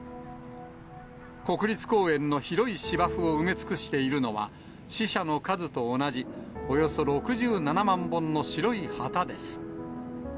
国立公園の広い芝生を埋め尽くしているのは、死者の数と同じ、およそ６７万本の白い旗です。